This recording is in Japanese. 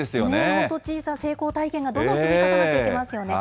本当、小さな成功体験がどんどん積み重なっていきますよね。